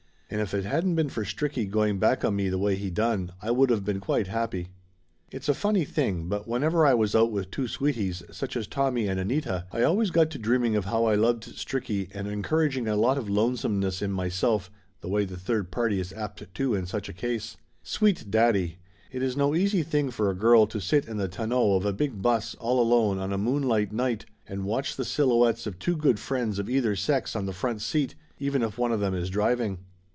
And if it hadn't been for Stricky going back on me the way he done, I would of been quite happy. It's a funny thing, but whenever I was out with two sweeties, such as Tommy and Anita, I always got to dreaming of how I loved Stricky and encouraging a lot of lonesomeness in myself the way the third party is apt to in such a case. Sweet daddy! It is no easy thing for a girl to sit in the tonneau of a big bus all alone on a moonlight night and watch the silhouettes of two good friends of either sex on the front seat, even if one of them is driving.